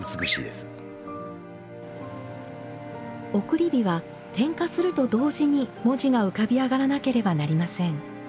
送り火は、点火すると同時に文字が浮かび上がらなければなりません。